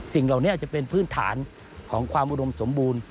สิ่งเหล่านี้จะเป็นพื้นฐานของความอุดมสมบูรณ์